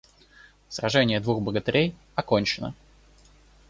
Сраженье двух богатырей окончено.